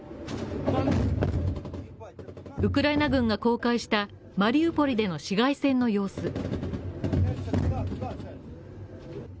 ウクライナ軍が公開したマリウポリでの市街戦の様子。